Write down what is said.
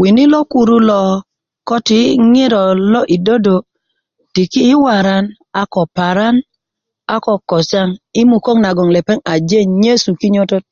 wini lo kuru lo ko tiyi ŋiro lo'dit dodo' tiki i waran a ko paran a ko kotiyan i mukök nagon lepeŋ aje nyesu kinyötöt